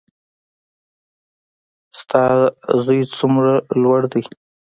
د تا زوی څومره لوړ ده